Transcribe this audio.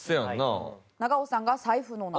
長尾さんが財布の中。